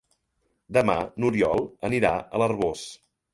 Demà n'Oriol anirà a l'Arboç.